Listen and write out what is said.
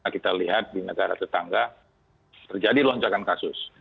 kita lihat di negara tetangga terjadi lonjakan kasus